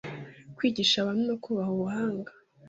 kwigisha abantu no kubaha ubuhanga